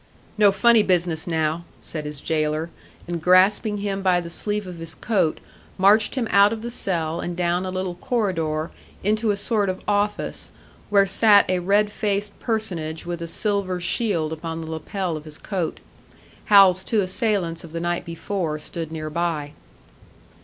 "No funny business now," said his jailer, and grasping him by the sleeve of his coat, marched him out of the cell and down a little corridor into a sort of office, where sat a red faced personage with a silver shield upon the lapel of his coat. Hal's two assailants of the night before stood nearby.